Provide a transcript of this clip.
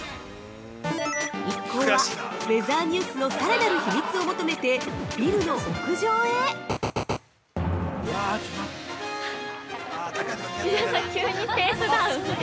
◆一行は、ウェザーニュースのさらなる秘密を求めてビルの屋上へ◆伊沢さん、急にペースダウン。